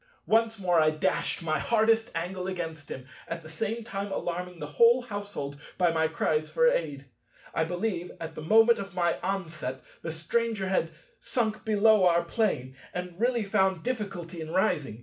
Once more I dashed my hardest angle against him, at the same time alarming the whole household by my cries for aid. I believe, at the moment of my onset, the Stranger had sunk below our Plane, and really found difficulty in rising.